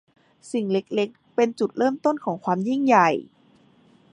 สิ่งเล็ก ๆ เป็นจุดเริ่มต้นของความยิ่งใหญ่